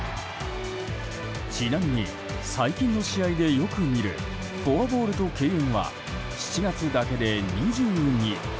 ちなみに、最近の試合でよく見るフォアボールと敬遠は７月だけで２２。